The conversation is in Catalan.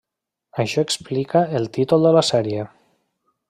Això explica el títol de la sèrie.